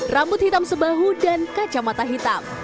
rambut hitam sebahu dan kacamata hitam